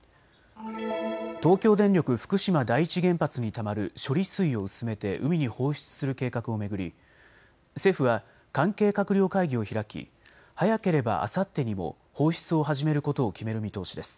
東京電力福島第一原発にたまる処理水を薄めて海に放出する計画を巡り政府は関係閣僚会議を開き早ければあさってにも放出を始めることを決める見通しです。